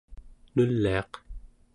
nuliaq